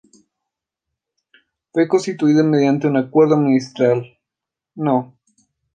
Fue constituido mediante acuerdo ministerial No.